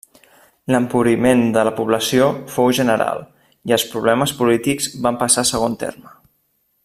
L'empobriment de la població fou general i els problemes polítics van passar a segon terme.